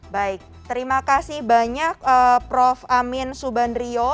baik terima kasih banyak prof amin subandrio